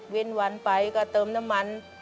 วันไปก็เติมน้ำมัน